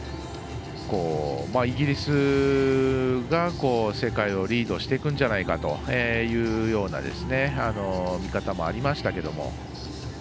イギリスが世界をリードしていくんじゃないかというような見方もありましたけども。